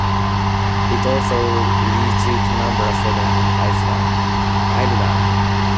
It also reached number seven in Ireland.